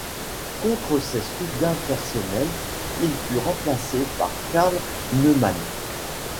Contre ses souhaits personnels, il fut remplacé par Karl Neumann.